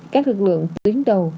các lực lượng tuyến đầu